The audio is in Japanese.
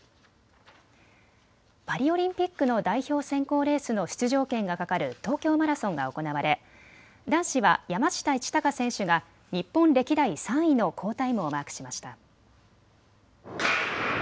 パリオリンピックの代表選考レースの出場権がかかる東京マラソンが行われ男子は山下一貴選手が日本歴代３位の好タイムをマークしました。